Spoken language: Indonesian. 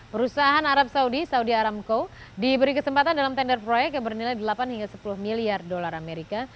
perusahaan arab saudi saudi aramco diberi kesempatan dalam tender proyek yang bernilai delapan hingga sepuluh miliar dolar amerika